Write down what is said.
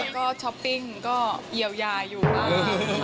ก็ช้อปปิ้งก็เยียวยาอยู่บ้าง